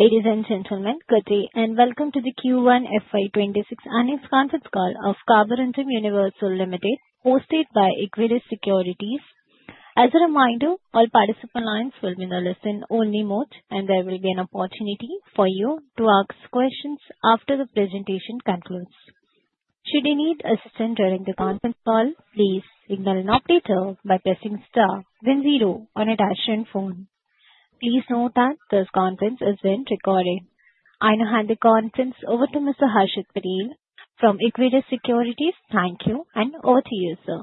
Ladies and gentlemen, good day and welcome to the Q1 FY 2026 earnings conference call of Carborundum Universal Limited, hosted by Equirus Securities. As a reminder, all participant lines will be in the listen-only mode, and there will be an opportunity for you to ask questions after the presentation concludes. Should you need assistance during the conference call, please ring the operator by pressing *10 on your dash and phone. Please note that this conference is being recorded. I now hand the conference over to Mr. Harshit Peri from Equirus Securities. Thank you, and over to you, sir.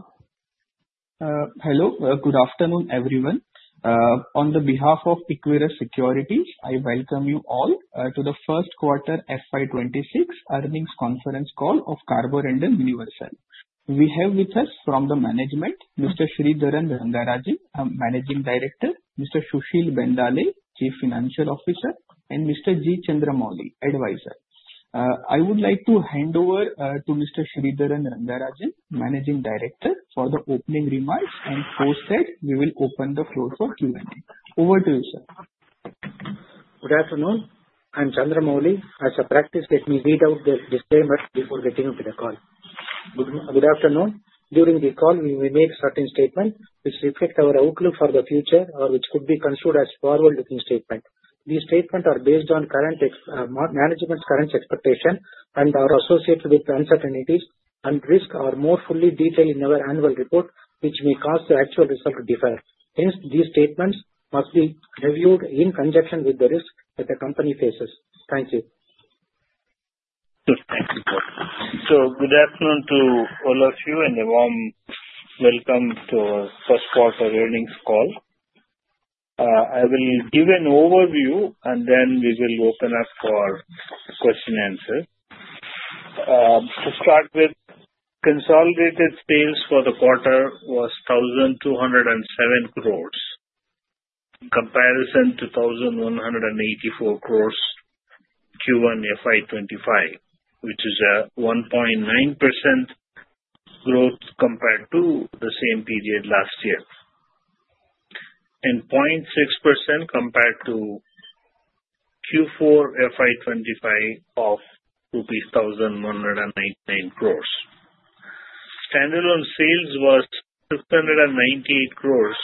Hello, good afternoon, everyone. On behalf of Equirus Securities, I welcome you all to the first quarter FY 2026 earnings conference call of Carborundum Universal. We have with us from the management, Mr. Sridharan Rangarajan, Managing Director; Mr. Sushil Bendale, Chief Financial Officer; and Mr. G. Chandramouli, Advisor. I would like to hand over to Mr. Sridharan Rangarajan, Managing Director, for the opening remarks, and post that, we will open the closing remarks. Over to you, sir. Good afternoon. I'm Chandramouli. As a practice, let me read out the disclaimers before getting into the call. Good afternoon. During the call, we will make certain statements which reflect our outlook for the future or which could be construed as a forward-looking statement. These statements are based on management's current expectations and are associated with uncertainties, and risks are more fully detailed in our annual report, which may cause the actual result to differ. Hence, these statements must be reviewed in conjunction with the risks that the company faces. Thank you. That's important. Good afternoon to all of you and a warm welcome to our first quarter earnings call. I will give an overview, and then we will open up for question and answers. To start with, consolidated sales for the quarter were 1,207 crores in comparison to 1,184 crores Q1 FY 2025, which is a 1.9% growth compared to the same period last year, and 0.6% compared to Q4 FY 2025 of rupees 1,199 crores. Standalone sales were 698 crores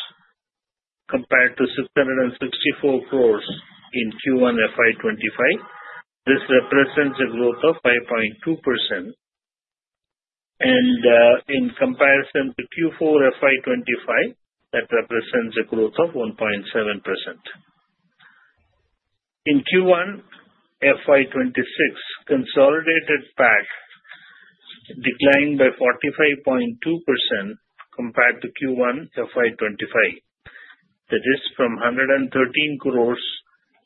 compared to 664 crores in Q1 FY 2025. This represents a growth of 5.2%. In comparison to Q4 FY 2025, that represents a growth of 1.7%. In Q1 FY 2026, consolidated PAT declined by 45.2% compared to Q1 FY 2025. This is from 113 crores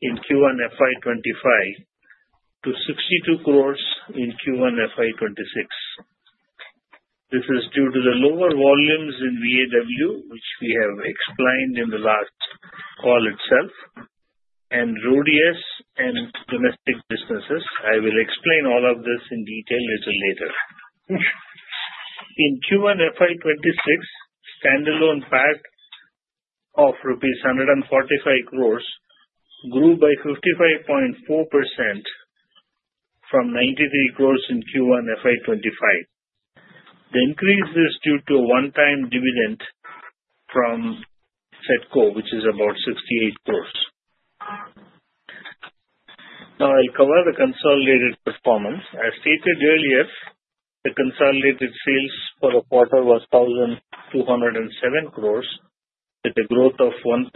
in Q1 FY 2025 to 62 crores in Q1 FY 2026. This is due to the lower volumes in VAW, which we have explained in the last call itself, and RHODIUS and domestic businesses. I will explain all of this in detail a little later. In Q1 FY 2026, standalone PAT of rupees 145 crores grew by 55.4% from 93 crores in Q1 FY 2025. The increase is due to a one-time dividend from SEDCO, which is about 68 crores. Now, I'll cover the consolidated performance. As stated earlier, the consolidated sales for the quarter were 1,207 crores with a growth of 1.9%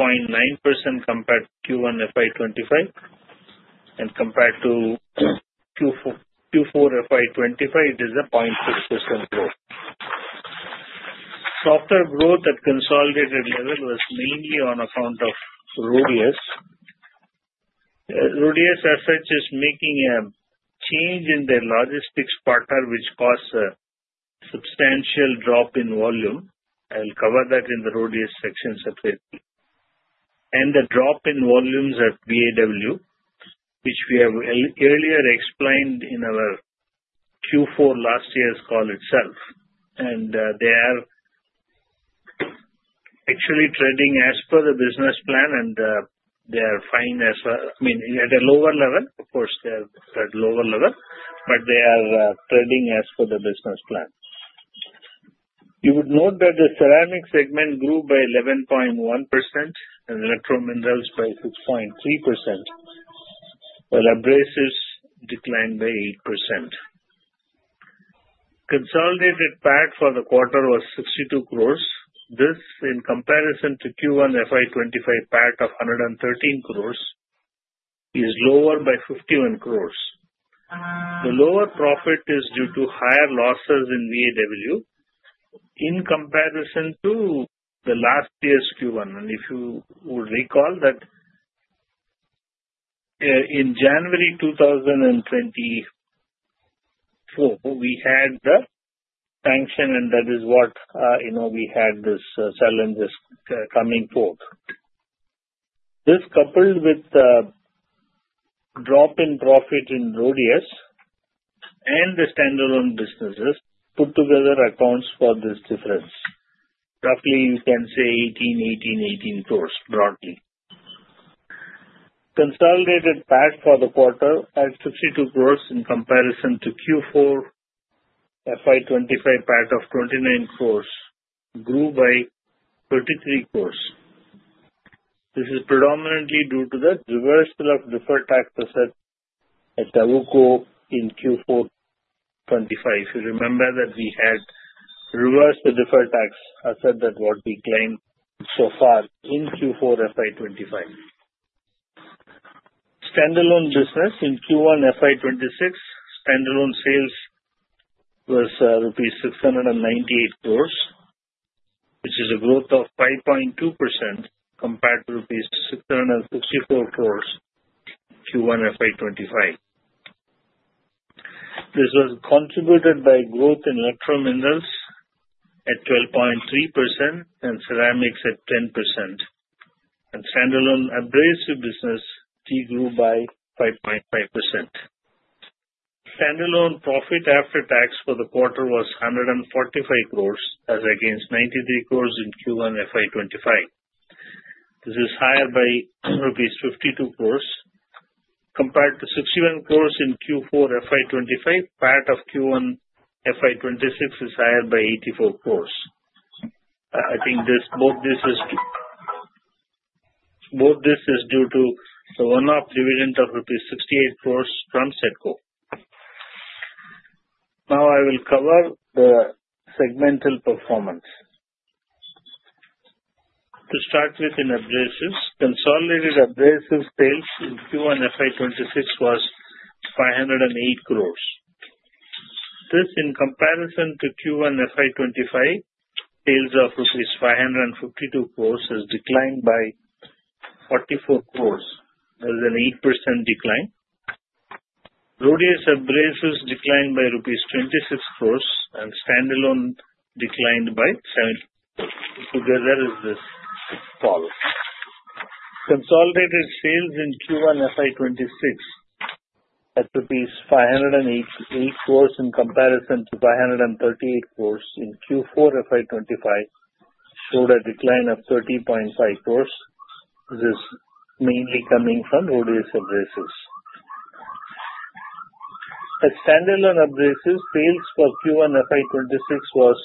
compared to Q1 FY 2025. Compared to Q4 FY 2025, it is a 0.6% growth. Softer growth at consolidated level was mainly on account of RHODIUS. RHODIUS, as such, is making a change in their logistics partner, which caused a substantial drop in volume. I'll cover that in the RHODIUS section separately. The drop in volumes at VAW, which we have earlier explained in our Q4 last year's call itself, and they are actually trading as per the business plan, and they are fine as well. I mean, at a lower level, of course, they are at a lower level, but they are trading as per the business plan. You would note that the Ceramics segment grew by 11.1% and Electro Minerals by 6.3%, while Abrasives declined by 8%. Consolidated PAT for the quarter was 62 crores. This, in comparison to Q1 FY 2025 PAT of 113 crores, is lower by 51 crores. The lower profit is due to higher losses in VAW in comparison to last year's Q1. If you would recall that in January 2024, we had the sanction, and that is what you know we had these challenges coming forth. This, coupled with the drop in profit in RHODIUS and the standalone businesses, put together accounts for this difference. Roughly, you can say 18, 18, 18 crores broadly. Consolidated PAT for the quarter at 62 crores in comparison to Q4 FY 2025 PAT of 29 crores grew by 33 crores. This is predominantly due to the reversal of deferred tax asset at AWUKO in Q4 FY 2025. If you remember that we had reversed the deferred tax asset that what we claimed so far in Q4 FY 2025. Standalone business in Q1 FY 2026, standalone sales was rupees 698 crores, which is a growth of 5.2% compared to rupees 664 crores Q1 FY 2025. This was contributed by growth in Electro Minerals at 12.3% and Ceramics at 10%. Standalone Abrasive business grew by 5.5%. Standalone profit after tax for the quarter was 145 crores as against 93 crores in Q1 FY 2025. This is higher by rupees 52 crores compared to 61 crores in Q4 FY 2025. PAT of Q1 FY 2026 is higher by 84 crores. I think this is due to a one-time dividend of rupees 68 crores from SEDCO. Now, I will cover the segmental performance. To start with, in abrasives, consolidated abrasives sales in Q1 FY 2026 was 508 crores. This, in comparison to Q1 FY 2025 sales of rupees 552 crores, has declined by 44 crores. There is an 8% decline. RHODIUS Abrasives declined by rupees 26 crores, and standalone declined by 7. Together is this fall. Consolidated sales in Q1 FY 2026 at 508 crores in comparison to 538 crores in Q4 FY 2025 showed a decline of 30.5 crores. This is mainly coming from RHODIUS Abrasives. At standalone abrasives, sales for Q1 FY 2026 was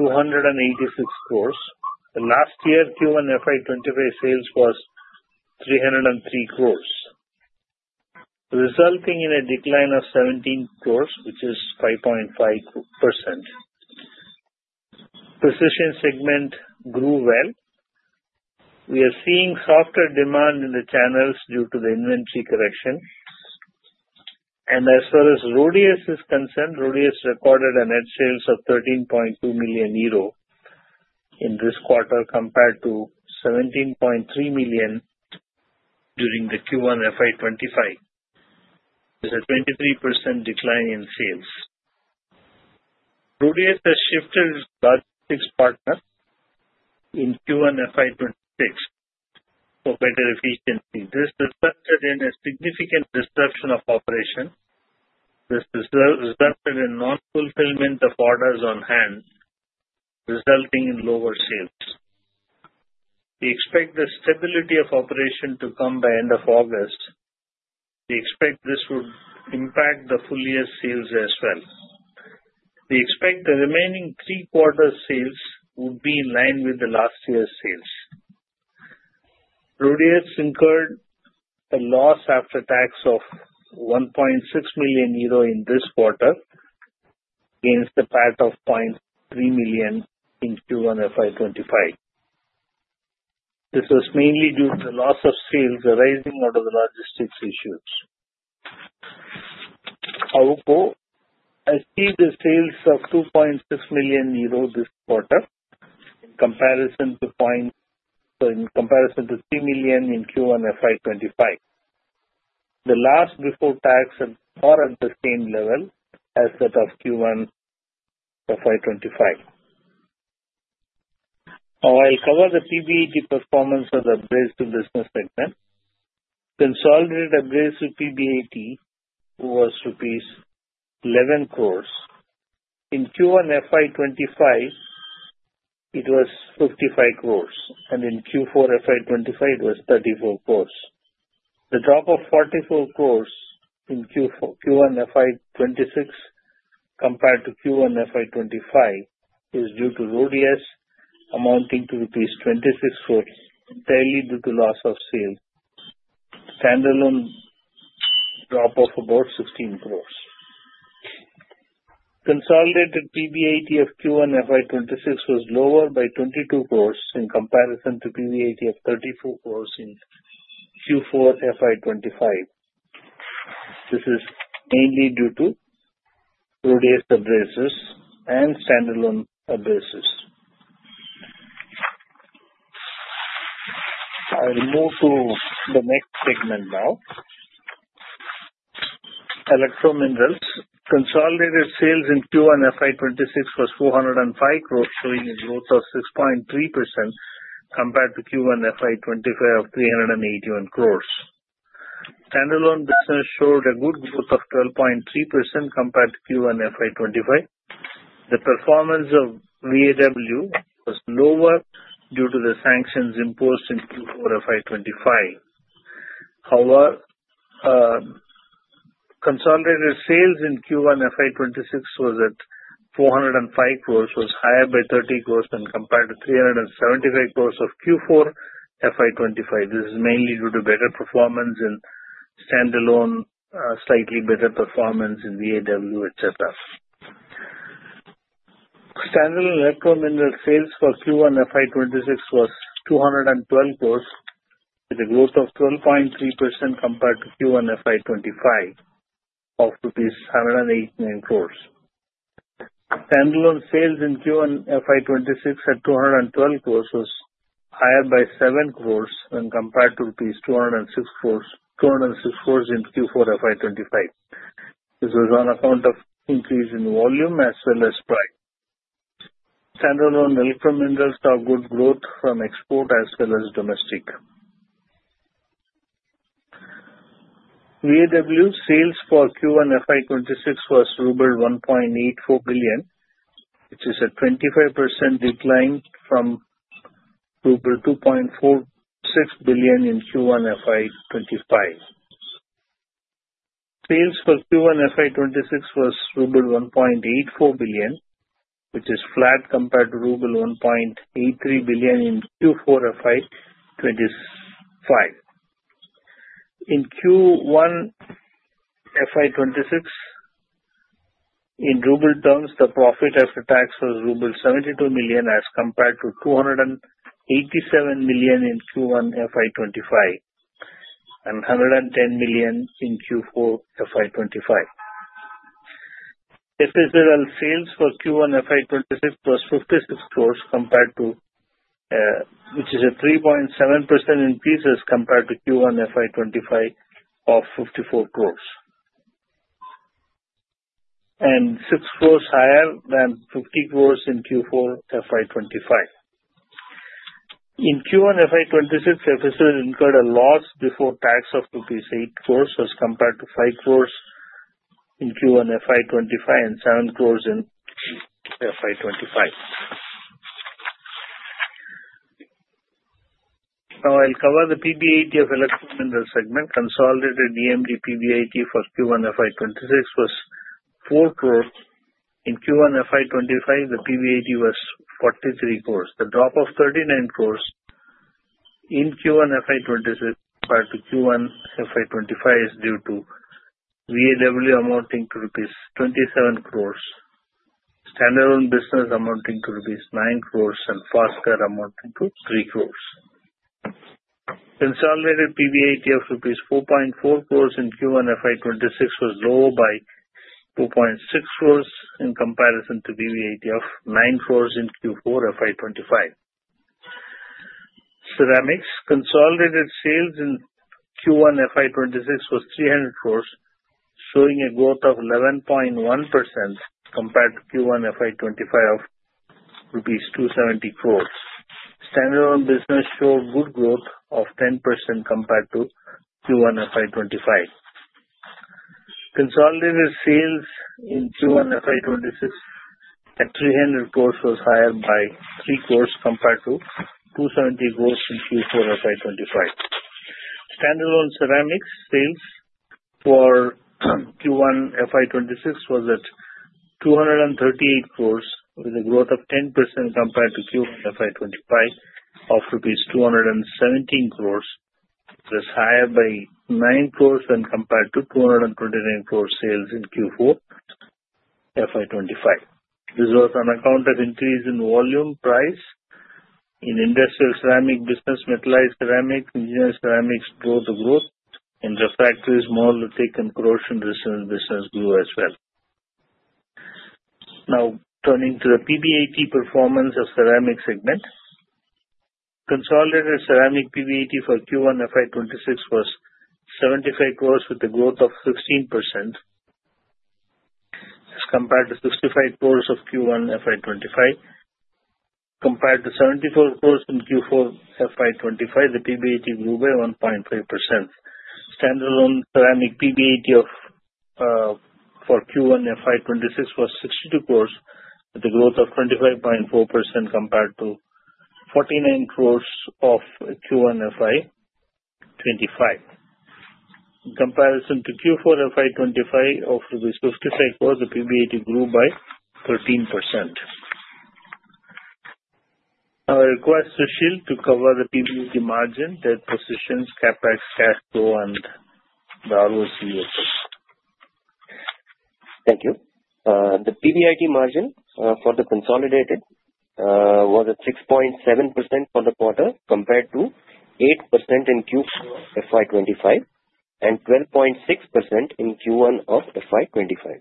286 crores. Last year, Q1 FY 2025 sales was 303 crores, resulting in a decline of 17 crores, which is 5.5%. Precision segment grew well. We are seeing softer demand in the channels due to the inventory correction. As far as RHODIUS is concerned, RHODIUS recorded sales of 13.2 million euro in this quarter compared to 17.3 million during Q1 FY 2025. There's a 23% decline in sales. RHODIUS has shifted its logistics partner in Q1 FY 2026 for better efficiency. This resulted in a significant disruption of operation. This resulted in non-fulfillment of orders on hand, resulting in lower sales. We expect the stability of operation to come by the end of August. We expect this would impact the full year's sales as well. We expect the remaining three quarters' sales would be in line with last year's sales. RHODIUS incurred a loss after tax of 1.6 million euro in this quarter against the PAT of 0.3 million in Q1 FY 2025. This was mainly due to the loss of sales arising out of the logistics issues. AWUKO achieved sales of 2.6 million euro this quarter in comparison to 3 million in Q1 FY 2025. The loss before tax is far on the same level as that of Q1 FY 2025. I'll cover the PBIT performance of the Abrasives business segment. Consolidated Abrasives PBIT was INR 11 crores. In Q1 FY 2025, it was 55 crores, and in Q4 FY 2025, it was 34 crores. The drop of 44 crores in Q1 FY 2026 compared to Q1 FY 2025 is due to RHODIUS Abrasives amounting to rupees 26 crores, entirely due to loss of sales. Standalone drop of about INR 16 crores. Consolidated PBIT of Q1 FY 2026 was lower by 22 crores in comparison to PBIT of 34 crores in Q4 FY 2025. This is mainly due to RHODIUS Abrasives and standalone Abrasives. I'll move to the next segment now. Electro Minerals. Consolidated sales in Q1 FY 2026 was 405 crores, showing a growth of 6.3% compared to Q1 FY 2025 of 381 crores. Standalone business showed a good growth of 12.3% compared to Q1 FY 2025. The performance of VAW was lower due to the sanctions imposed in Q4 FY 2025. However, consolidated sales in Q1 FY 2026 was at 405 crores, was higher by 30 crores when compared to 375 crores of Q4 FY 2025. This is mainly due to better performance in standalone, slightly better performance in VAW, etc. Standalone Electro Minerals sales for Q1 FY 2026 were 212 crores, with a growth of 12.3% compared to Q1 FY 2025 of INR 189 crores. Standalone sales in Q1 FY 2026 at 212 crores was higher by 7 crores when compared to 206 crores in Q4 FY 2025. This was on account of increase in volume as well as price. Standalone Electro Minerals saw good growth from export as well as domestic. VAW sales for Q1 FY 2026 was 1.84 billion, which is a 25% decline from 2.46 billion in Q1 FY 2025. Sales for Q1 FY 2026 was 1.84 billion, which is flat compared to 1.83 billion in Q4 FY 2025. In Q1 FY 2026, in rouble terms, the profit after tax was ruble 72 million as compared to 287 million in Q1 FY 2025 and 110 million in Q4 FY 2025. Ceramics sales for Q1 FY 2026 was INR 56 crores, which is a 3.7% increase as compared to Q1 FY 2025 of 54 crores, and 6 crores higher than 50 crores in Q4 FY 2025. In Q1 FY 2026, FSR incurred a loss before tax of rupees 8 crores as compared to 5 crores in Q1 FY 2025 and 7 crores in FY 2025. Now, I'll cover the PBIT of Electro Minerals segment. Consolidated Electro Minerals PBIT for Q1 FY 2026 was 4 crores. In Q1 FY 2025, the PBIT was 43 crores. The drop of 39 crores in Q1 FY 2026 compared to Q1 FY 2025 is due to VAW amounting to rupees 27 crores, standalone business amounting to rupees 9 crores, and Foster amounting to 3 crores. Consolidated PBIT of rupees 4.4 crores in Q1 FY 2026 was lower by 2.6 crores in comparison to PBIT of 9 crores in Q4 FY 2025. Ceramics, consolidated sales in Q1 FY 2026 was 300 crore, showing a growth of 11.1% compared to Q1 FY 2025 of rupees 270 crore. Standalone business showed good growth of 10% compared to Q1 FY 2025. Consolidated sales in Q1 FY 2026 at 300 crore was higher by 3 crore compared to 270 crore in Q4 FY 2025. Standalone ceramics sales for Q1 FY 2026 was at 238 crore, with a growth of 10% compared to Q1 FY 2025 of rupees 217 crore, which was higher by 9 crore when compared to 229 crore sales in Q4 FY 2025. This was on account of increase in volume price in industrial ceramic business, metalized ceramics, and engineered ceramics both growth, and refractory, small, lithic, and corrosion resistant business grew as well. Now, turning to the PBIT performance of ceramic segment, consolidated ceramic PBIT for Q1 FY 2026 was 75 crore with a growth of 16% as compared to 65 crore of Q1 FY 2025. Compared to 74 crore in Q4 FY 2025, the PBIT grew by 1.5%. Standalone ceramic PBIT for Q1 FY 2026 was 62 crore with a growth of 25.4% compared to 49 crore of Q1 FY 2025. In comparison to Q4 FY 2025 of INR 55 crore, the PBIT grew by 13%. I'll request Sushil to cover the PBIT margin, debt positions, CapEx, cash flow, and the ROC assets. Thank you. The consolidated PAT margin was at 6.7% for the quarter compared to 8% in Q4 FY 2025 and 12.6% in Q1 of FY 2025.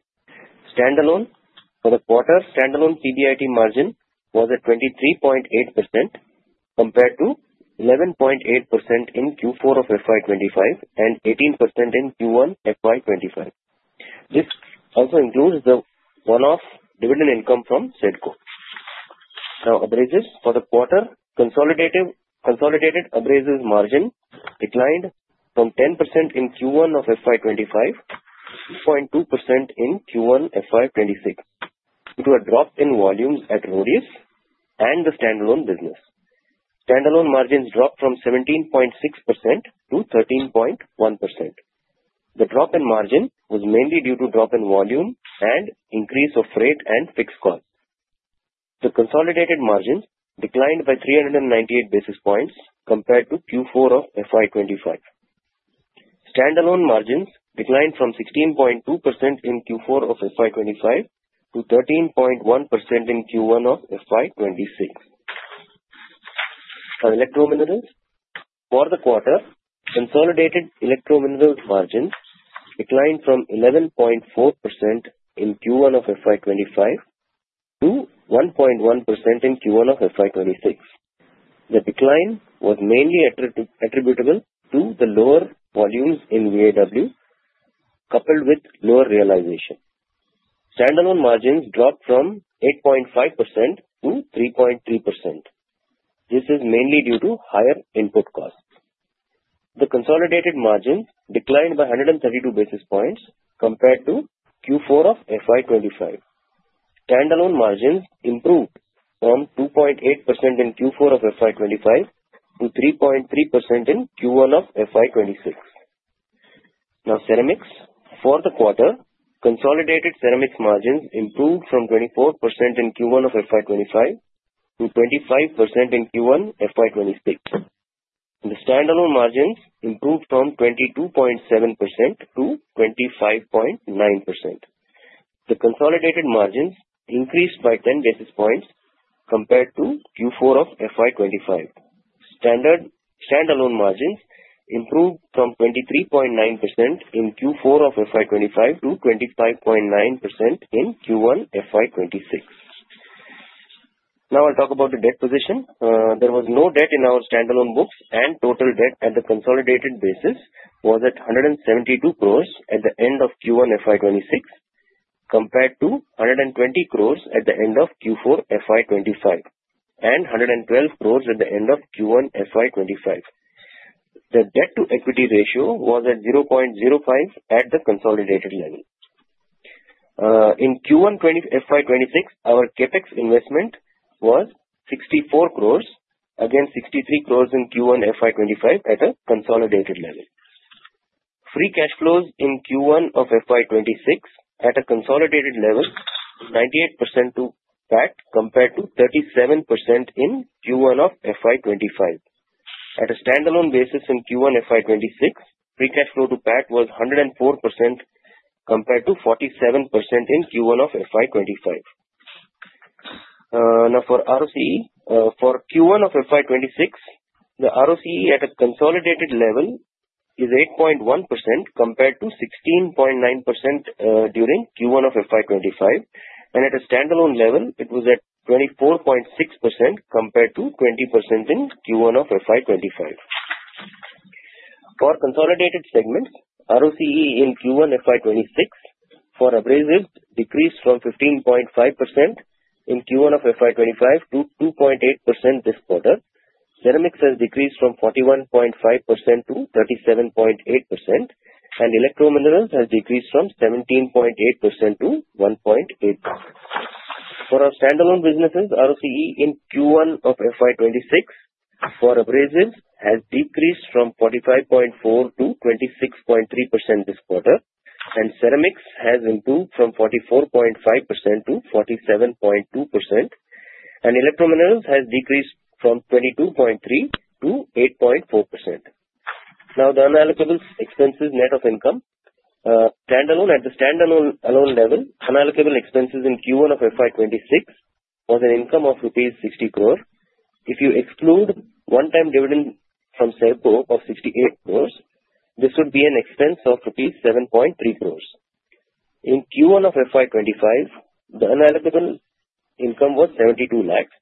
Standalone for the quarter, standalone PBIT margin was at 23.8% compared to 11.8% in Q4 of FY 2025 and 18% in Q1 FY 2025. This also includes the one-off dividend income from SEDCO. Now, abrasives for the quarter, consolidated abrasives margin declined from 10% in Q1 of FY 2025 to 5.2% in Q1 FY 2026 due to a drop in volumes at RHODIUS and the standalone business. Standalone margins dropped from 17.6% to 13.1%. The drop in margin was mainly due to drop in volume and increase of freight and fixed costs. The consolidated margins declined by 398 basis points compared to Q4 of FY 2025. Standalone margins declined from 16.2% in Q4 of FY 2025 to 13.1% in Q1 of FY 2026. For electro minerals, for the quarter, consolidated electro minerals margins declined from 11.4% in Q1 of FY 2025 to 1.1% in Q1 of FY 2026. The decline was mainly attributable to the lower volumes in VAW coupled with lower realization. Standalone margins dropped from 8.5% to 3.3%. This is mainly due to higher input costs. The consolidated margins declined by 132 basis points compared to Q4 of FY 2025. Standalone margins improved from 2.8% in Q4 of FY 2025 to 3.3% in Q1 of FY 2026. Now, ceramics for the quarter, consolidated ceramics margins improved from 24% in Q1 of FY 2025 to 25% in Q1 FY 2026. The standalone margins improved from 22.7% to 25.9%. The consolidated margins increased by 10 basis points compared to Q4 of FY 2025. Standalone margins improved from 23.9% in Q4 of FY 2025 to 25.9% in Q1 FY 2026. Now, I'll talk about the debt position. There was no debt in our standalone books, and total debt at the consolidated basis was at 172 crore at the end of Q1 FY 2026 compared to 120 crore at the end of Q4 FY 2025 and 112 crore at the end of Q1 FY 2025. The debt-to-equity ratio was at 0.05 at the consolidated level. In Q1 FY 2026, our CapEx investment was 64 crore against 63 crore in Q1 FY 2025 at a consolidated level. Free cash flows in Q1 of FY 2026 at a consolidated level were 98% to PAT compared to 37% in Q1 of FY 2025. At a standalone basis in Q1 FY 2026, free cash flow to PAT was 104% compared to 47% in Q1 of FY 2025. Now, for ROCE for Q1 of FY 2026, the ROCE at a consolidated level is 8.1% compared to 16.9% during Q1 of FY 2025, and at a standalone level, it was at 24.6% compared to 20% in Q1 of FY 2025. For consolidated segments, ROCE in Q1 FY 2026 for abrasives decreased from 15.5% in Q1 of FY 2025 to 2.8% this quarter. Ceramics has decreased from 41.5% to 37.8%, and electro minerals has decreased from 17.8% to 1.8%. For our standalone businesses, ROCE in Q1 of FY 2026 for abrasives has decreased from 45.4% to 26.3% this quarter, and ceramics has improved from 44.5% to 47.2%, and electro minerals has decreased from 22.3% to 8.4%. Now, the unallocable expenses net of income, standalone at the standalone level, unallocable expenses in Q1 of FY 2026 was an income of rupees 60 crore. If you exclude one-time dividend from SEDCO of 68 crore, this would be an expense of rupees 7.3 crore. In Q1 of FY 2025, the unallocable income was 0.72 lakhs,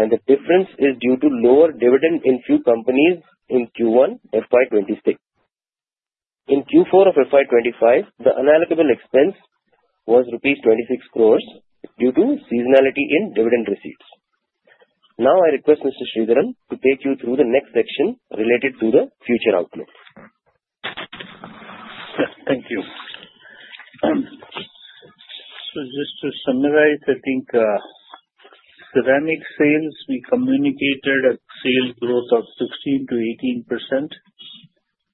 and the difference is due to lower dividend in few companies in Q1 FY 2026. In Q4 of FY 2025, the unallocable expense was rupees 26 crore due to seasonality in dividend receipts. Now, I request Mr. Sridharan to take you through the next section related to the future outlook. Thank you. Just to summarize, I think ceramics sales, we communicated a sales growth of 16%-18%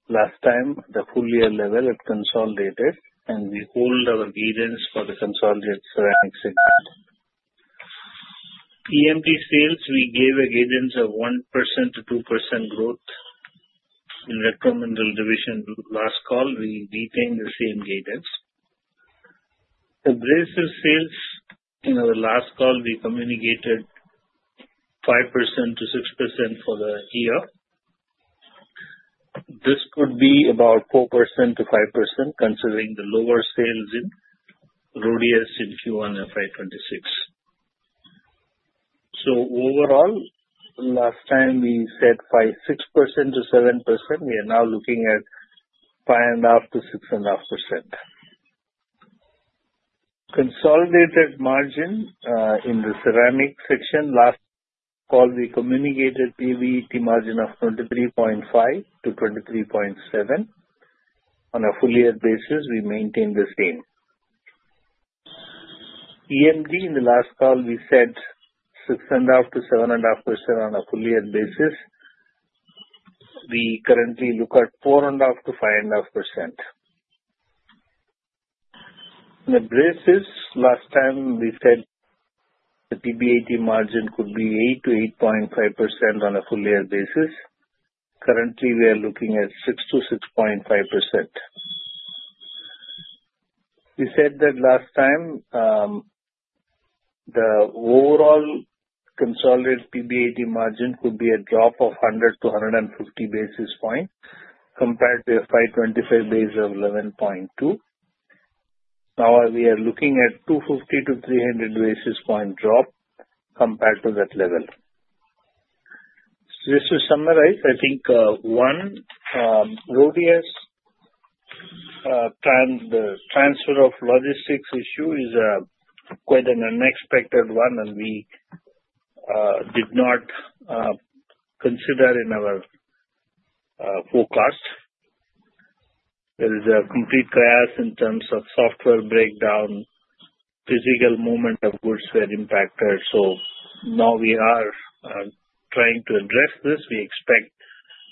last time, the full year level at consolidated, and we hold our guidance for the consolidated ceramics segment. EMD sales, we gave a guidance of 1%-2% growth in electro minerals division. Last call, we retained the same guidance. Abrasives sales, in our last call, we communicated 5%-6% for the year. This could be about 4%-5% considering the lower sales in RHODIUS Abrasives in Q1 FY 2026. Overall, last time we said 6%-7%. We are now looking at 5.5%-6.5%. Consolidated margin in the ceramics section, last call we communicated PAT margin of 23.5%-23.7%. On a full year basis, we maintained the same. EMD, in the last call, we said 6.5%-7.5% on a full year basis. We currently look at 4.5%-5.5%. Abrasives, last time we said the PBIT margin could be 8% to 8.5% on a full year basis. Currently, we are looking at 6% to 6.5%. We said that last time the overall consolidated PBIT margin could be a drop of 100-150 basis points compared to FY 2025 base of 11.2%. Now, we are looking at 250-300 basis point drop compared to that level. Just to summarize, I think, one, RHODIUS transfer of logistics partner issue is quite an unexpected one, and we did not consider in our forecast. There is a complete chaos in terms of software breakdown, physical movement of goods was impacted. We are trying to address this. We expect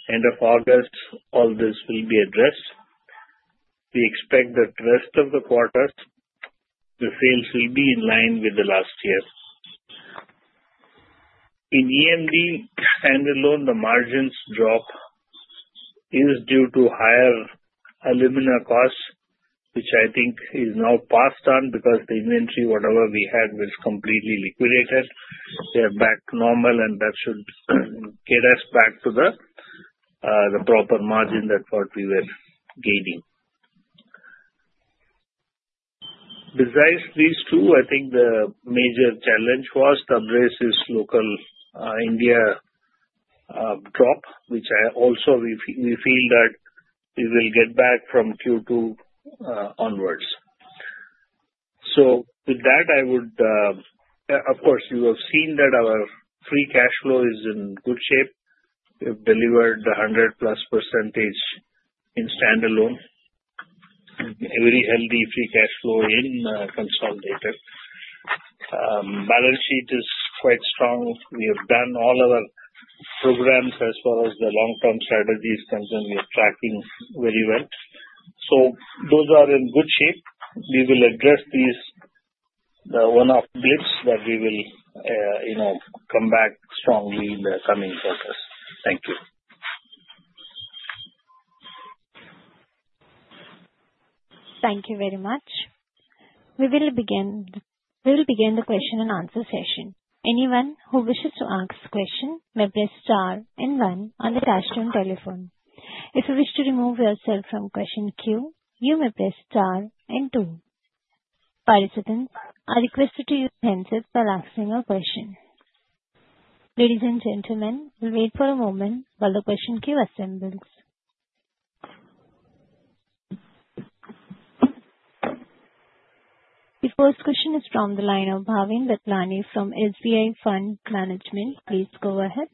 end of August, all this will be addressed. We expect that the rest of the quarter, the sales will be in line with last year. In EMD, standalone, the margins drop is due to higher aluminum costs, which I think is now passed on because the inventory, whatever we had, was completely liquidated. They are back to normal, and that should get us back to the proper margin that we were gaining. Besides these two, I think the major challenge was the abrasives local India drop, which we also feel that we will get back from Q2 onwards. With that, of course, you have seen that our free cash flow is in good shape. We have delivered the 100%+ in standalone, a very healthy free cash flow in consolidated. Balance sheet is quite strong. We have done all our programs as well as the long-term strategies that we are tracking very well. Those are in good shape. We will address these one-off bits that we will come back strongly in the coming quarter. Thank you. Thank you very much. We will begin the question and answer session. Anyone who wishes to ask a question may press star and one on the dashboard telephone. If you wish to remove yourself from the question queue, you may press star and two. Participants are requested to use hands up while asking a question. Ladies and gentlemen, we'll wait for a moment while the question queue assembles. The first question is from the line of Bhavin Vithlani from SBI Fund Management. Please go ahead.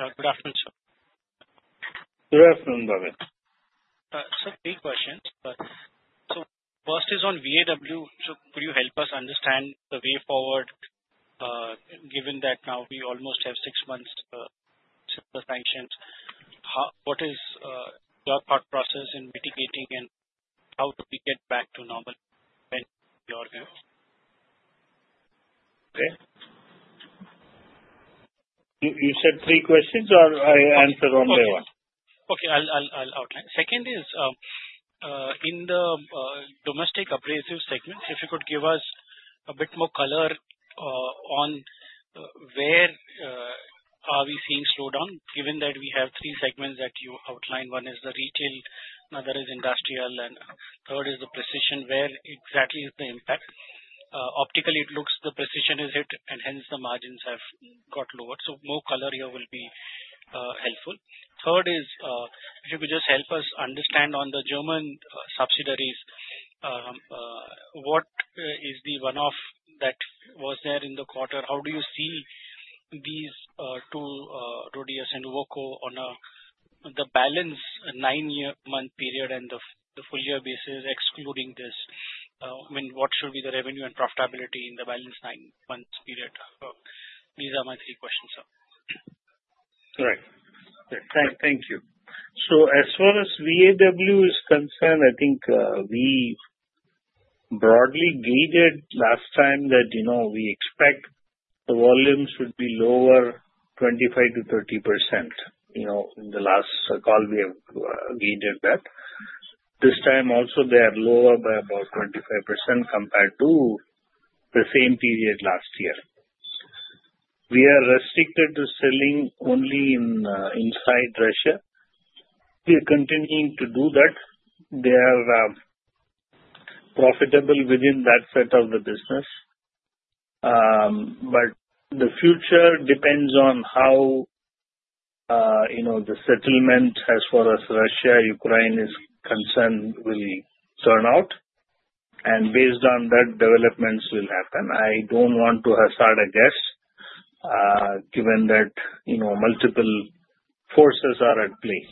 Good afternoon, sir. Good afternoon, Bhavin. Sir, three questions, but the first is on VAW. Sir, could you help us understand the way forward, given that now we almost have six months to accept the sanctions? What is your thought process in mitigating and how do we get back to normal? You said three questions, or I answer only one? Okay. I'll outline. Second is in the domestic abrasive segments, if you could give us a bit more color on where are we seeing slowdown, given that we have three segments that you outlined. One is the retail, another is industrial, and third is the precision. Where exactly is the impact? Optically, it looks the precision is it, and hence the margins have got lower. More color here will be helpful. Third is, if you could just help us understand on the German subsidiaries, what is the one-off that was there in the quarter? How do you see these two, RHODIUS and AWUKO, on the balance nine-month period and the full year basis, excluding this? I mean, what should be the revenue and profitability in the balance nine-month period? These are my three questions, sir. Right. Thank you. As far as VAW is concerned, I think we broadly guided last time that we expect the volume should be lower 25%-30%. In the last call, we have guided that. This time, also, they are lower by about 25% compared to the same period last year. We are restricted to selling only inside Russia. We are continuing to do that. They are profitable within that set of the business. The future depends on how the settlement as far as Russia-Ukraine is concerned will turn out. Based on that, developments will happen. I don't want to hesitate a guess, given that multiple forces are at play.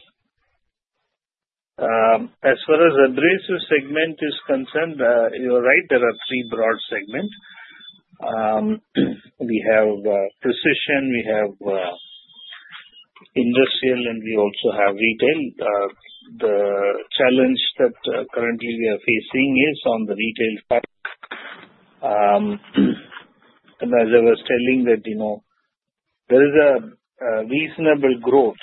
As far as the abrasives segment is concerned, you're right, there are three broad segments. We have precision, we have industrial, and we also have retail. The challenge that currently we are facing is on the retail side. As I was telling, there is a reasonable growth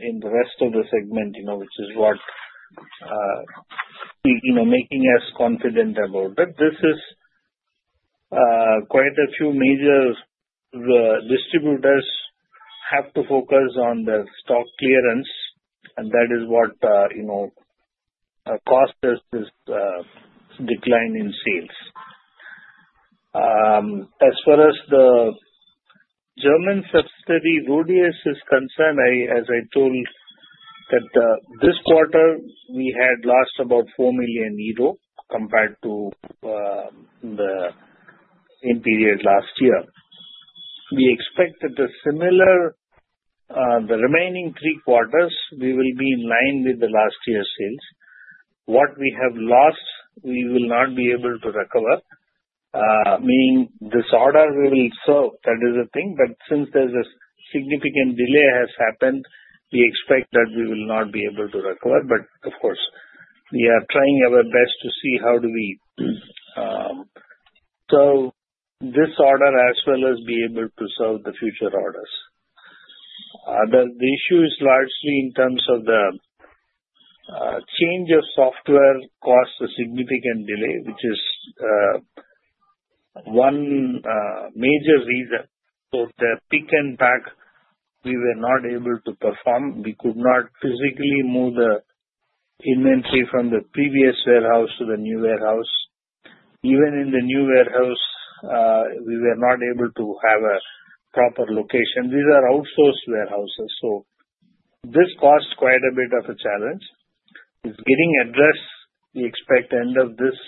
in the rest of the segment, which is what is making us confident about it. Quite a few major distributors have to focus on their stock clearance, and that is what caused this decline in sales. As far as the German subsidiary RHODIUS is concerned, as I told, this quarter we had lost about 4 million euro compared to the end period last year. We expect that the remaining three quarters we will be in line with last year's sales. What we have lost, we will not be able to recover. Meaning this order we will sell. That is the thing. Since there's a significant delay that has happened, we expect that we will not be able to recover. Of course, we are trying our best to see how do we sell this order as well as be able to sell the future orders. The issue is largely in terms of the change of software caused a significant delay, which is one major reason. If their pick and pack, we were not able to perform. We could not physically move the inventory from the previous warehouse to the new warehouse. Even in the new warehouse, we were not able to have a proper location. These are outsourced warehouses. This caused quite a bit of a challenge. It's getting addressed. We expect end of this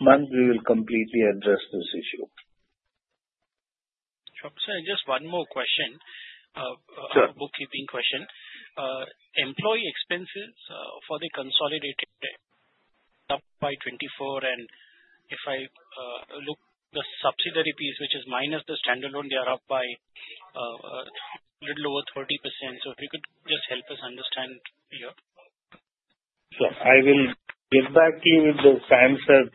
month we will completely address this issue. Sir, just one more question, a bookkeeping question. Employee expenses for the consolidated pay are up by 24%. If I look at the subsidiary fees, which is minus the standalone, they are up by a little over 30%. If you could just help us understand here. Sure. I will get back to you with those answers.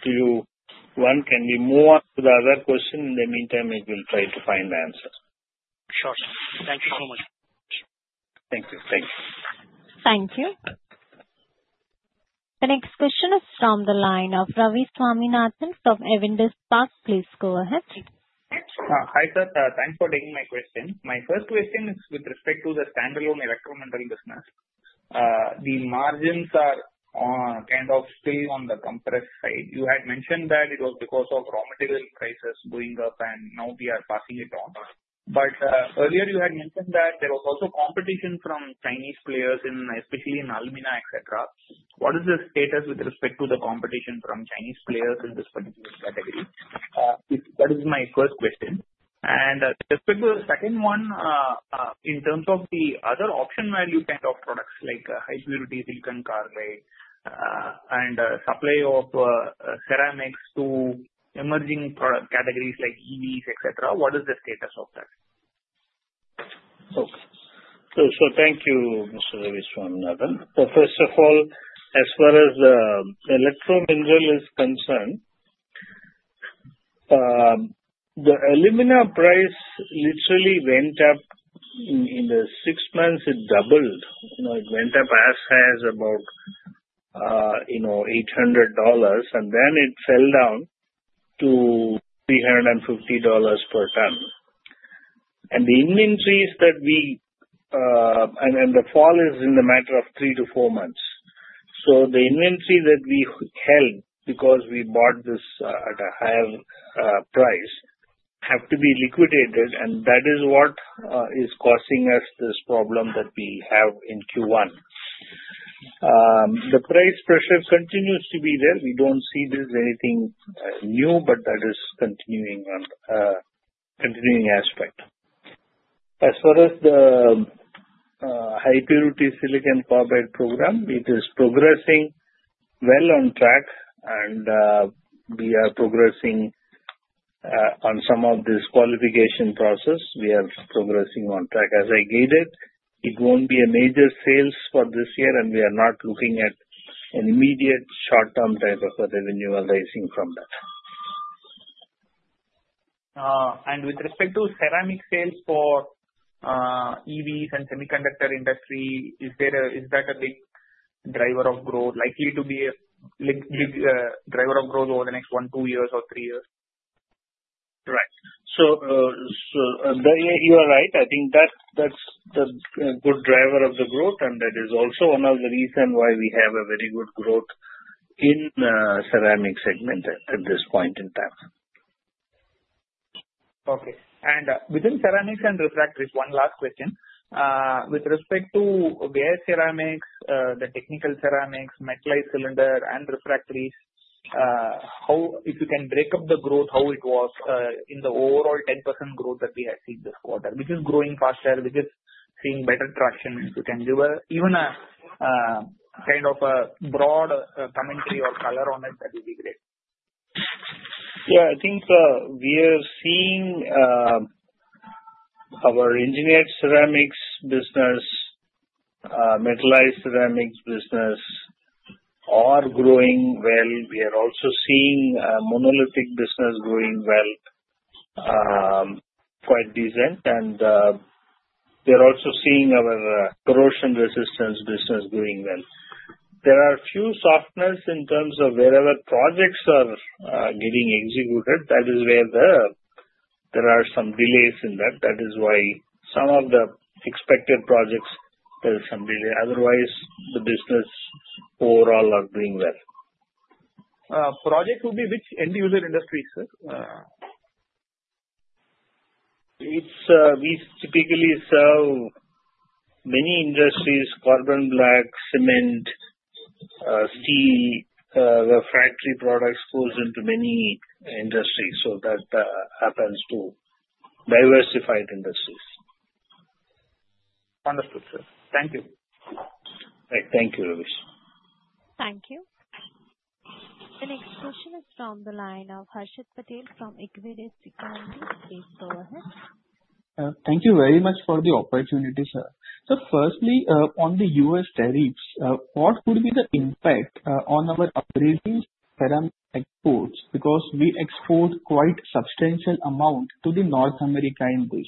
Can you move on to the other question? In the meantime, I will try to find the answer. Sure, sir. Thank you so much. Thank you. Thanks. Thank you. The next question is from the line of Ravi Swaminathan from Avendus Spark. Please go ahead. Hi, sir. Thanks for taking my question. My first question is with respect to the standalone Electro Minerals business. The margins are kind of still on the compressed side. You had mentioned that it was because of raw material prices going up, and now we are passing it on. Earlier, you had mentioned that there was also competition from Chinese players, especially in alumina, etc. What is the status with respect to the competition from Chinese players in this particular category? That is my first question. The second one, in terms of the other option value kind of products like high-purity silicon carbide and supply of ceramics to emerging product categories like EVs, etc., what is the status of that? Thank you, Mr. Ravi Swaminathan. First of all, as far as the electro minerals is concerned, the aluminum price literally went up. In the six months, it doubled. It went up as high as about $800, and then it fell down to $350 per ton. The inventories that we held because we bought this at a higher price had to be liquidated, and that is what is causing us this problem that we have in Q1. The price pressure continues to be there. We don't see there's anything new, but that is a continuing aspect. As far as the high-purity silicon carbide program, it is progressing well on track, and we are progressing on some of this qualification process. We are progressing on track. As I gave it, it won't be a major sales for this year, and we are not looking at an immediate short-term type of revenue arising from that. With respect to ceramic sales for EVs and semiconductor industry, is that a big driver of growth, likely to be a big driver of growth over the next one, two years, or three years? Right. You are right. I think that's the good driver of the growth, and that is also one of the reasons why we have a very good growth in the ceramics segment at this point in time. Okay. Within ceramics and refractory, one last question. With respect to gas ceramics, the technical ceramics, metallized cylinder, and refractories, if you can break up the growth, how it was in the overall 10% growth that we have seen this quarter, which is growing faster, which is seeing better traction, if you can give even a kind of a broad commentary or color on it, that would be great. Yeah. I think we are seeing our engineered ceramics business, metallized ceramics business are growing well. We are also seeing monolithic business growing well, quite decent. They're also seeing our corrosion resistance business growing well. There are a few softness in terms of wherever projects are getting executed. That is where there are some delays in that. That is why some of the expected projects, there is some delay. Otherwise, the business overall are doing well. Projects would be which end-user industries, sir? We typically sell to many industries: carbon, black, cement, steel, refractory products fall into many industries. That happens to diversified industries. Understood, sir. Thank you. All right. Thank you, Ravi. Thank you. The next question is from the line of Harshit Patel from Equirus Securities. Please go ahead. Thank you very much for the opportunity, sir. Sir, firstly, on the U.S. tariffs, what would be the impact on our abrasives-ceramic exports? Because we export quite a substantial amount to North America in this.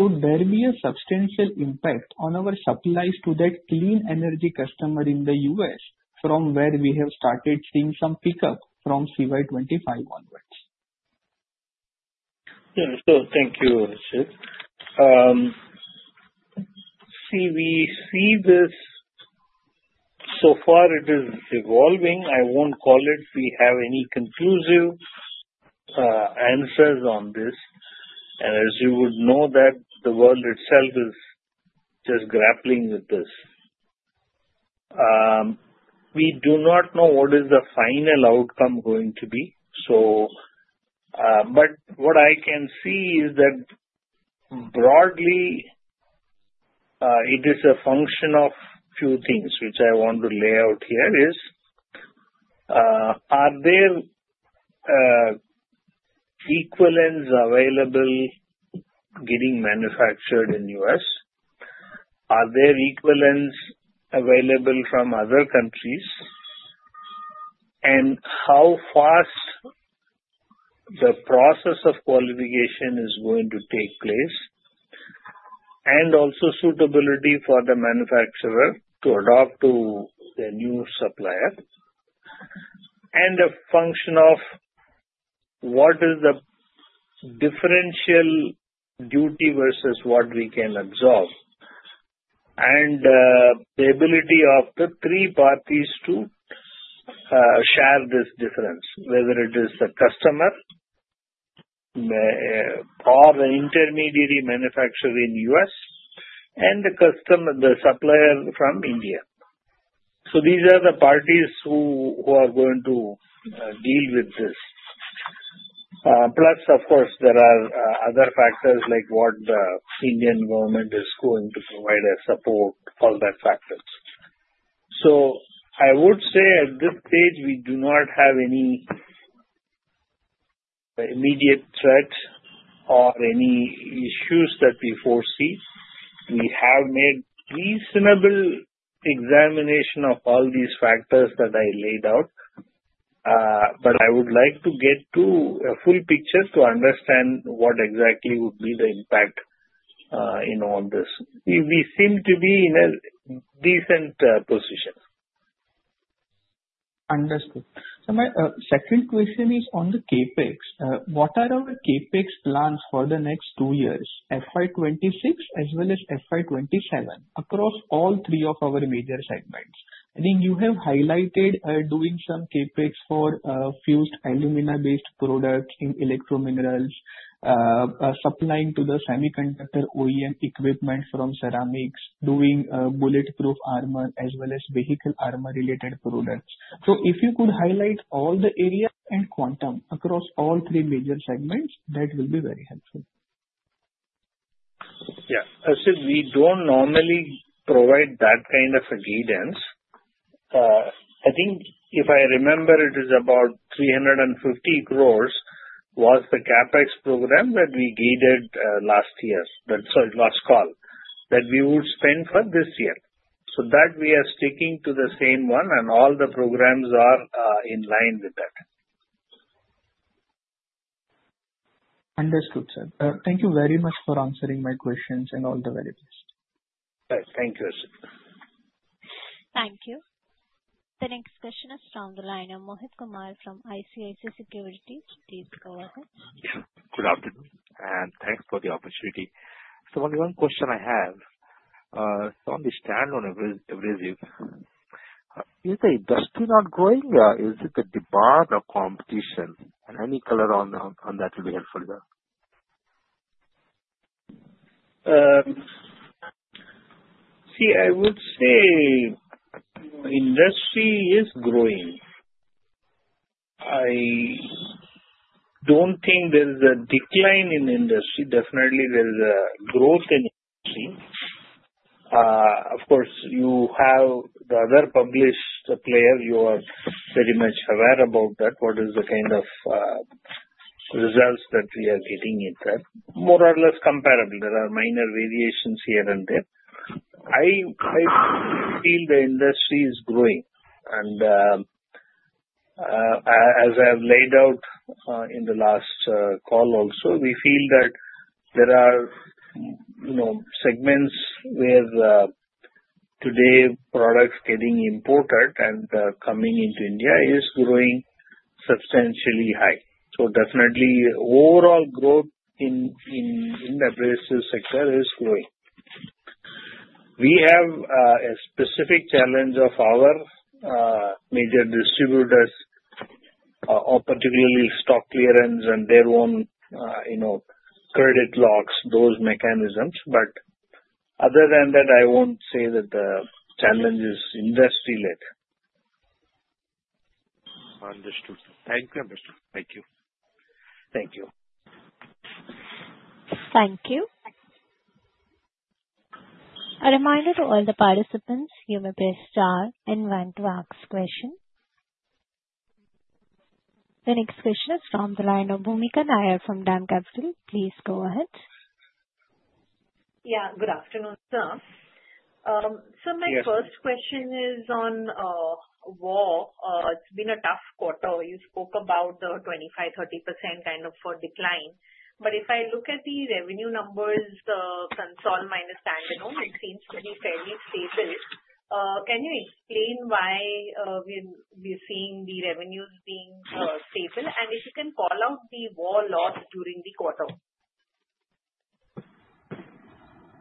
Could there be a substantial impact on our supplies to that clean energy customer in the U.S. from where we have started seeing some pickup from CY 2025 onwards? Yeah. Thank you, Harshit. See, we see this so far, it is evolving. I won't call it we have any conclusive answers on this. As you would know, the world itself is just grappling with this. We do not know what is the final outcome going to be. What I can see is that broadly, it is a function of a few things, which I want to lay out here. Are there equivalents available getting manufactured in the U.S.? Are there equivalents available from other countries? How fast is the process of qualification going to take place? Also, suitability for the manufacturer to adopt to their new supplier. It is a function of what is the differential duty versus what we can absorb, and the ability of the three parties to share this difference, whether it is the customer or the intermediary manufacturer in the U.S. and the customer, the supplier from India. These are the parties who are going to deal with this. Plus, of course, there are other factors like what the Indian government is going to provide as support for those factors. I would say at this stage, we do not have any immediate threat or any issues that we foresee. We have made reasonable examination of all these factors that I laid out. I would like to get to a full picture to understand what exactly would be the impact on this. We seem to be in a decent position. Understood. My second question is on the CapEx. What are our CapEx plans for the next two years, FY 2026 as well as FY 2027, across all three of our major segments? I think you have highlighted doing some CapEx for fused aluminum-based products in Electro Minerals, supplying to the semiconductor OEM equipment from ceramics, doing bulletproof armor, as well as vehicle armor-related products. If you could highlight all the area and quantum across all three major segments, that will be very helpful. Yeah. As we don't normally provide that kind of a guidance, I think if I remember, it is about 350 crore was the CapEx program that we guided last year, sorry, last call, that we would spend for this year. We are sticking to the same one, and all the programs are in line with that. Understood, sir. Thank you very much for answering my questions and all the very best. Thank you, Harshit. Thank you. The next question is from the line of Mohit Kumar from ICICI Securities. Please go ahead. Good afternoon, and thanks for the opportunity. One question I have. On the standalone abrasives, is the industry not growing? Is it the demand or competition? Any color on that will be helpful, sir. See, I would say industry is growing. I don't think there's a decline in the industry. Definitely, there is a growth in the industry. Of course, you have the other published players. You are very much aware about that. What is the kind of results that we are getting in that? More or less comparable. There are minor variations here and there. I feel the industry is growing. As I have laid out in the last call also, we feel that there are segments where today products getting imported and coming into India are growing substantially high. Definitely, overall growth in the abrasives sector is growing. We have a specific challenge of our major distributors, particularly stock clearance and their own credit locks, those mechanisms. Other than that, I won't say that the challenge is industry-led. Understood, sir. Thank you. Understood. Thank you. Thank you. Thank you. A reminder to all the participants, you may press star and one to ask questions. The next question is from the line of Bhoomika Nair from DAM Capital. Please go ahead. Yeah. Good afternoon, sir. Sir, my first question is on VAW. It's been a tough quarter. You spoke about the 25%, 30% kind of decline. If I look at the revenue numbers, the consol minus standalone, it seems to be fairly stable. Can you explain why we're seeing the revenues being stable? If you can call out the VAW loss during the quarter.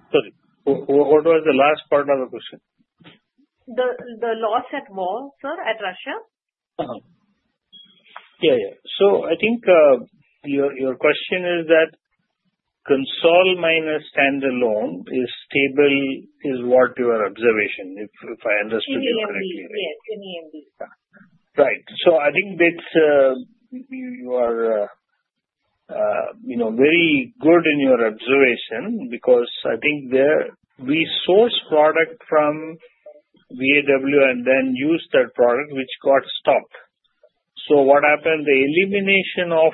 Sorry, what was the last part of the question? The loss at VAW, sir, at Russia? I think your question is that consol minus standalone is stable is what your observation, if I understood correctly. In EMD, yes, in EMD. Right. I think that you are very good in your observation because I think we source product from VAW and then use that product, which got stopped. What happened? The elimination of,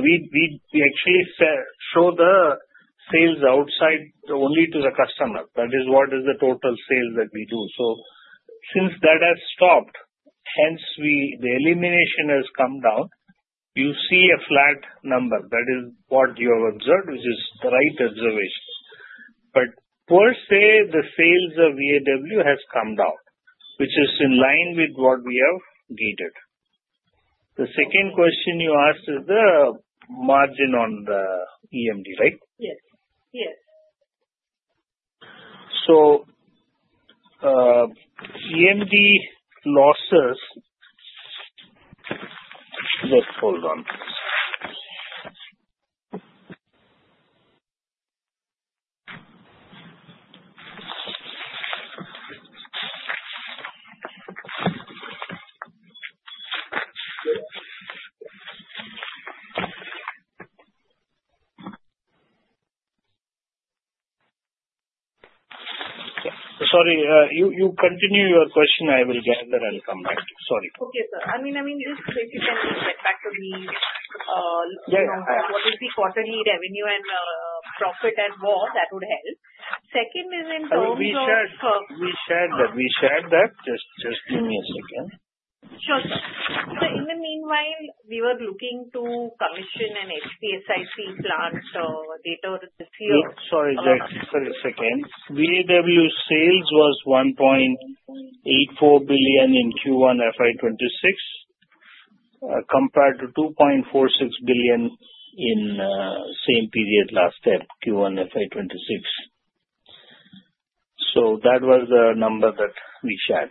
we actually show the sales outside only to the customer. That is what is the total sales that we do. Since that has stopped, hence the elimination has come down. You see a flat number. That is what you have observed, which is the right observation. Per se, the sales of VAW have come down, which is in line with what we have guided. The second question you asked is the margin on the EMD, right? Yes. Yes. EMD losses, let's hold on. Sorry, you continue your question. I will gather and come back. Sorry. Okay, sir. If you can get back to the, you know, what is the quarterly revenue and profit at VAW, that would help. Second is in terms of. We shared that. Just give me a second. Sure, sir. In the meanwhile, we were looking to commission an HP SIC plant, so data or the history of. Sorry, just a second. VAW sales was 1.84 billion in Q1 FY 2026 compared to 2.46 billion in the same period last year, Q1 FY 2026. That was the number that we shared.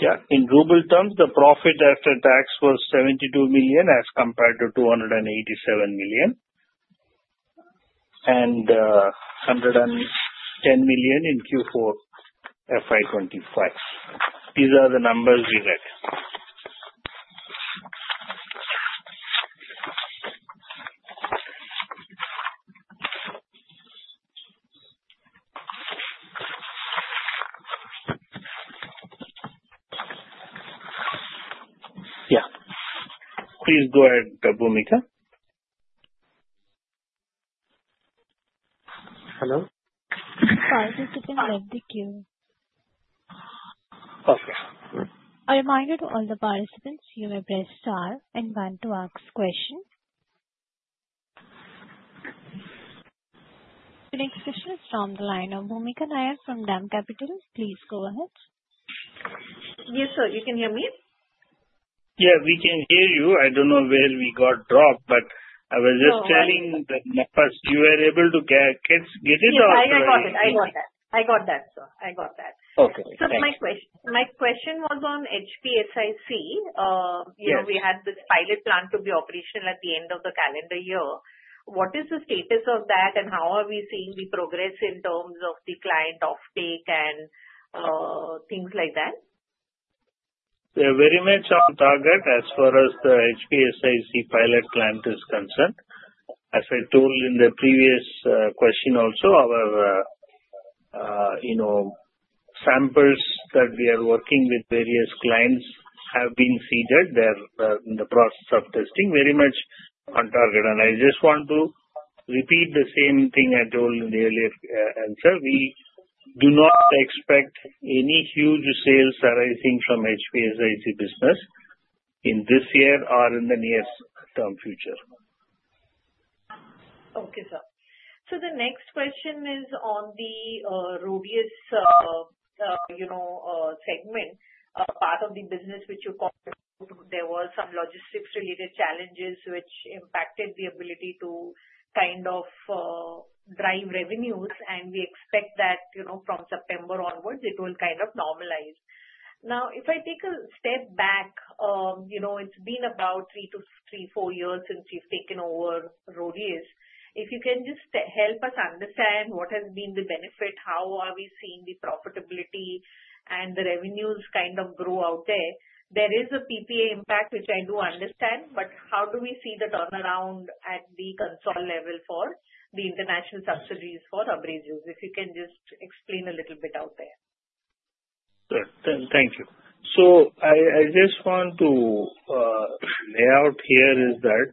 Yeah. In rouble terms, the profit after tax was 72 million as compared to 287 million and 110 million in Q4 FY 2025. These are the numbers we read. Yeah. Please go ahead, Bhoomika. Hello? Sorry, if you can move the queue. Okay. A reminder to all the participants, you may press star and one to ask questions. The next question is from the line of Bhoomika Nair from DAM Capital. Please go ahead. Yes, sir. Can you hear me? Yeah, we can hear you. I don't know where we got dropped, but I was just telling that you were able to get it or? I got it. I got that, sir. I got that. Okay. question was on HP SIC. You know, we had this pilot plan to be operational at the end of the calendar year. What is the status of that, and how are we seeing the progress in terms of the client uptake and things like that? We are very much on target as far as the HP SIC pilot client is concerned. As I told in the previous question also, our samples that we are working with various clients have been seeded. They're in the process of testing, very much on target. I just want to repeat the same thing I told in the earlier answer. We do not expect any huge sales arising from HP SIC business in this year or in the near-term future. Okay, sir. The next question is on the RHODIUS segment, part of the business which you're calling. There were some logistics-related challenges which impacted the ability to kind of drive revenues. We expect that, you know, from September onwards, it will kind of normalize. If I take a step back, it's been about three to four years since you've taken over RHODIU. If you can just help us understand what has been the benefit, how are we seeing the profitability and the revenues kind of grow out there? There is a PPA impact, which I do understand, but how do we see the turnaround at the console level for the international subsidiaries for abrasives? If you can just explain a little bit out there. Sure. Thank you. I just want to lay out here that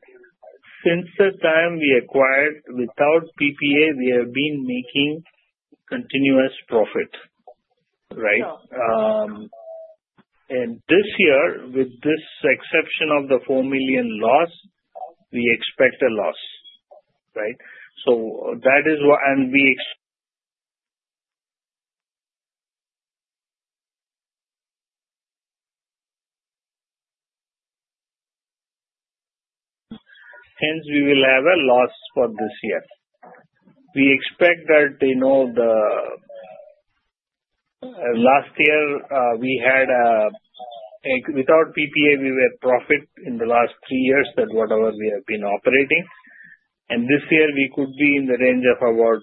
since the time we acquired, without PPA, we have been making continuous profit, right? This year, with the exception of the 4 million loss, we expect a loss, right? That is what, and hence, we will have a loss for this year. We expect that, you know, last year, we had a without PPA, we were profit in the last three years that whatever we have been operating. This year, we could be in the range of about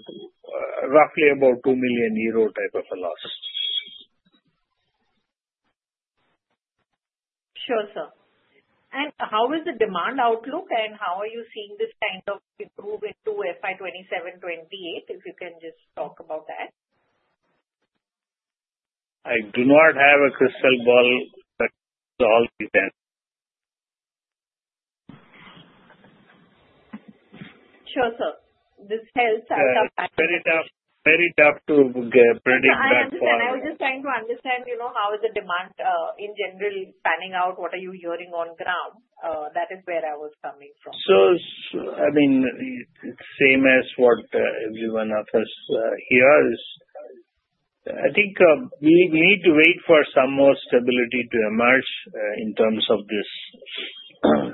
roughly 2 million euro type of a loss. Sure, sir. How is the demand outlook, and how are you seeing this kind of improve it to FY 2027-2028? If you can just talk about that. I do not have a crystal ball, but all we can. Sure, sir. This helps. It's very tough, very tough to predict. I understand. I was just trying to understand, you know, how is the demand in general panning out? What are you hearing on ground? That is where I was coming from. I mean, it's the same as what every one of us hears. I think we need to wait for some more stability to emerge in terms of these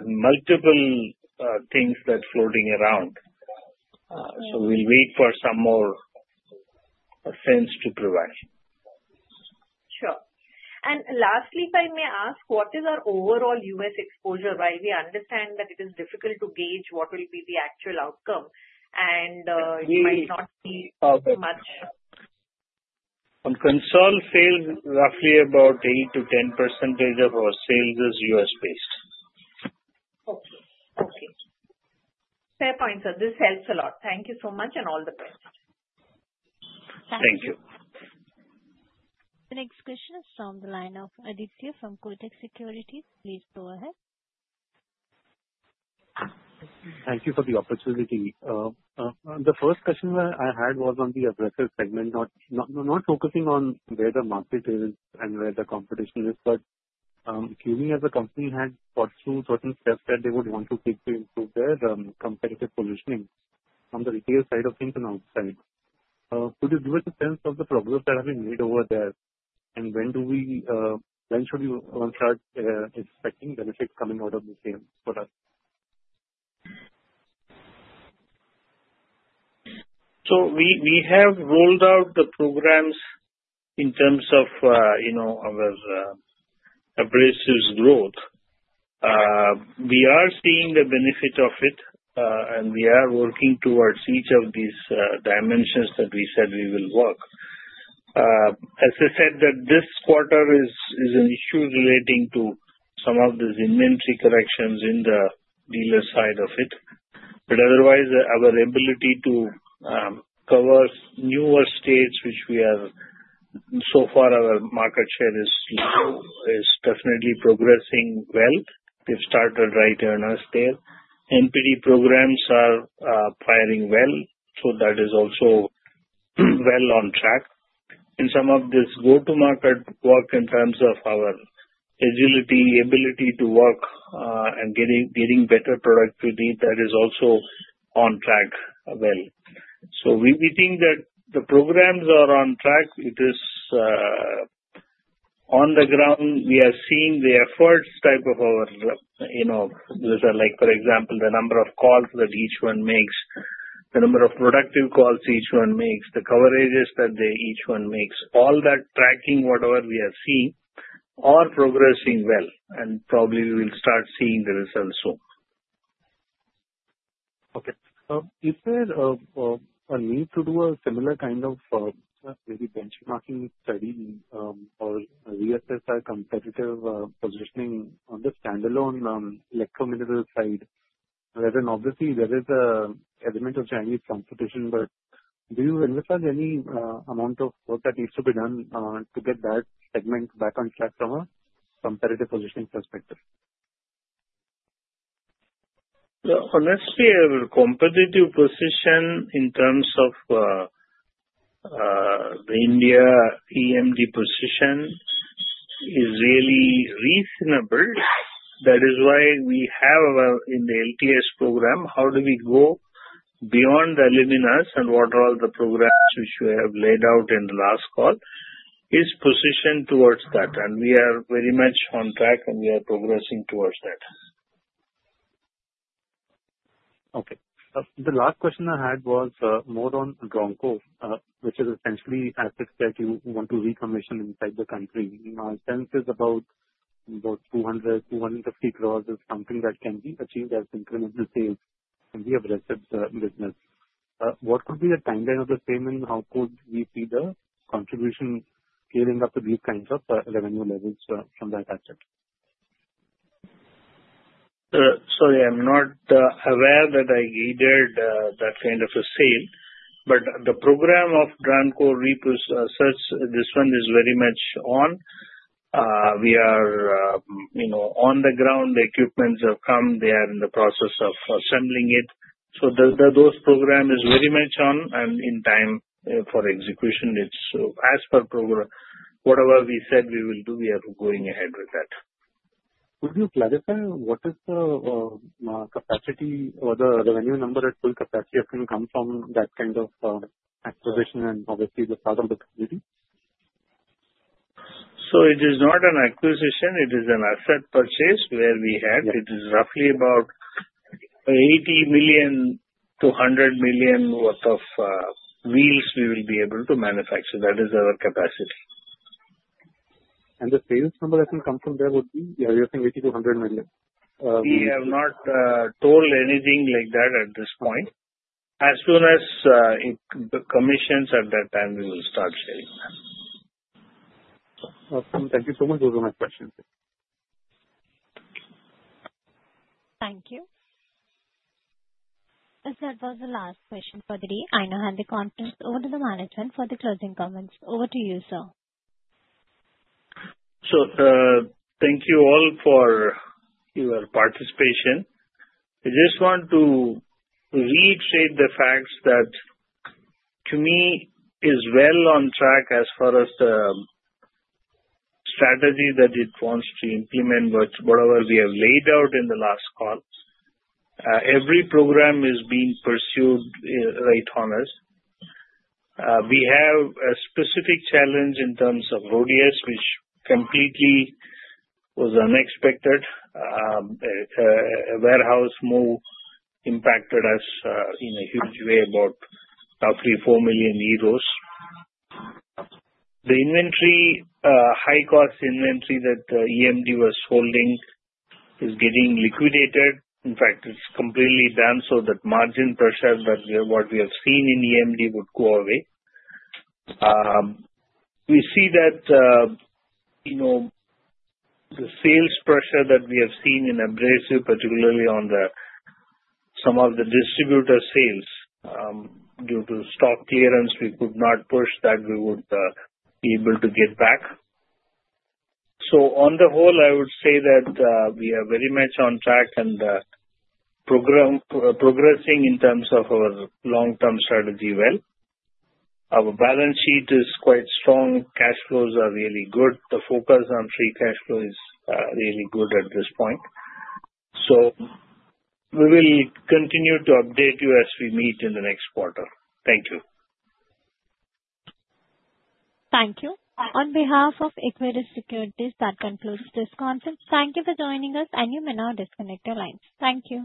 multiple things that are floating around. We'll wait for some more sense to provide. Sure. Lastly, if I may ask, what is our overall U.S. exposure? Right? We understand that it is difficult to gauge what will be the actual outcome, and you might not see much. On consolidated sales, roughly about 8%-10% of our sales is U.S.-based. Okay. Fair point, sir. This helps a lot. Thank you so much and all the best. Thank you. The next question is from the line of Aditya from Kotak Securities. Please go ahead. Thank you for the opportunity. The first question I had was on the abrasives segment, not focusing on where the market is and where the competition is, but hearing as a company had put through certain steps that they would want to take to improve their competitive positioning on the retail side of things and outside. Could you give us a sense of the progress that has been made over there, and when do we, when should you start expecting benefits coming out of the same product? We have rolled out the programs in terms of our abrasives growth. We are seeing the benefits of it, and we are working towards each of these dimensions that we said we will work. As I said, this quarter is an issue relating to some of these inventory corrections in the dealer side of it. Otherwise, our ability to cover new estates, which we are so far, our market share is definitely progressing well. We've started right earners there. MPD programs are firing well, so that is also well on track. In some of this go-to-market work in terms of our agility, ability to work, and getting better productivity, that is also on track well. We think that the programs are on track. It is on the ground. We are seeing the efforts, like for example, the number of calls that each one makes, the number of productive calls each one makes, the coverages that each one makes. All that tracking, whatever we are seeing, are progressing well. We will probably start seeing the results soon. Okay. If there's a need to do a similar kind of maybe benchmarking study or reassess our competitive positioning on the standalone electro minerals side, and then obviously there is an element of Chinese competition, but do you understand any amount of work that needs to be done to get that segment back on track from a competitive positioning perspective? Honestly, our competitive position in terms of the India EMD position is really reasonable. That is why we have in the LTS program, how do we go beyond the aluminum and what are all the programs which we have laid out in the last call is positioned towards that. We are very much on track, and we are progressing towards that. Okay. The last question I had was more on VAW, which is essentially assets that you want to recommission inside the country. In my sense, it's about 200 crore-250 crore is something that can be achieved as an incremental sale in the abrasives business. What would be the timeline of the payment? How could we see the contribution clearing up these kinds of revenue levels from that asset? Sorry, I'm not aware that I guided that kind of a sale, but the program of Dronco reposeses, this one is very much on. We are on the ground. The equipment have come. They are in the process of assembling it. Those programs are very much on and in time for execution. It's as per program. Whatever we said we will do, we are going ahead with that. Could you clarify what is the capacity or the revenue number at full capacity that can come from that kind of acquisition and obviously the part of the community? It is not an acquisition. It is an asset purchase where we have, it is roughly about 80 million-100 million worth of wheels we will be able to manufacture. That is our capacity. The sales number that will come from that would be, are you thinking 80 million-100 million? We have not told anything like that at this point. As soon as it commissions, at that time we will start sharing. Awesome. Thank you so much for the question. Thank you. That was the last question for the day. I now hand the conference over to the management for the closing comments. Over to you, sir. Sure. Thank you all for your participation. I just want to reiterate the facts that, to me, is well on track as far as the strategy that it wants to implement with whatever we have laid out in the last call. Every program is being pursued right on us. We have a specific challenge in terms of RHODIUS, which completely was unexpected. A warehouse move impacted us in a huge way, about roughly 4 million euros. The inventory, high-cost inventory that the EMD was holding, is getting liquidated. In fact, it's completely done so that margin pressure that what we have seen in EMD would go away. We see that, you know, the sales pressure that we have seen in abrasives, particularly on some of the distributor sales due to stock clearance, we could not push that we would be able to get back. On the whole, I would say that we are very much on track and progressing in terms of our long-term strategy well. Our balance sheet is quite strong. Cash flows are really good. The focus on free cash flow is really good at this point. We will continue to update you as we meet in the next quarter. Thank you. Thank you. On behalf of Equirus Securities, that concludes this conference. Thank you for joining us, and you may now disconnect your lines. Thank you.